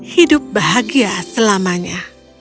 hidup bahagia selamanya